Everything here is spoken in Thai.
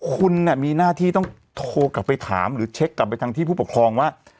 คุณมีหน้าที่ต้องโทรกลับไปถามหรือเช็คกลับไปทางที่ผู้ปกครองว่า